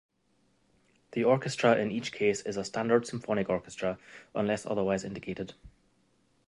The orchestra in each case is a standard symphonic orchestra unless otherwise indicated.